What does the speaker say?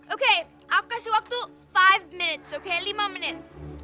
oke aku kasih waktu lima menit oke lima menit